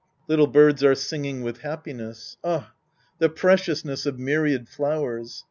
Little birds are singing with happiness. Ah, the preciousness of myriad flowers